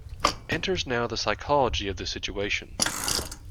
Enters now the psychology of the situation.